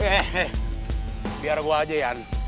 eh eh eh biar gue aja yan